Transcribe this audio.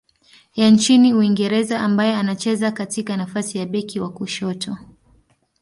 ya nchini Uingereza ambaye anacheza katika nafasi ya beki wa kushoto.